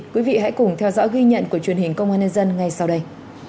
quý vị hãy cùng theo dõi ghi nhận của truyền hình công an nhân dân ngay sau đây